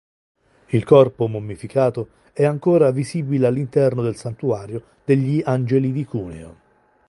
Il corpo mummificato è ancora visibile all'interno del santuario degli Angeli di Cuneo.